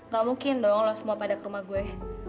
gak mungkin dong lo semua pada ke rumah gue